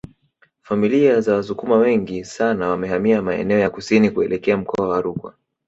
Familia za Wasukuma wengi sana wamehamia maeneo ya kusini kuelekea mkoa wa Rukwa